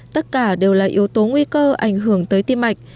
tất cả đều là yếu tố nguy cơ ảnh hưởng tới tim mạch